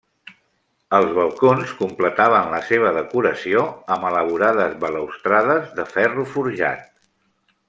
Els balcons completaven la seva decoració amb elaborades balustrades de ferro forjat.